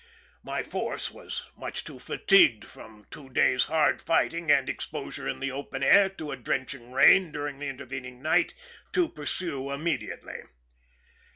My force icas too much fatigued, from two days'1 hard fighting and exposure in the open air to a drenching rain during the intervening night, to pursue immediately.